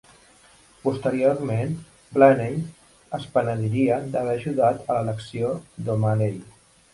Posteriorment, Blaney es penediria d'haver ajudat a l'elecció d'O'Malley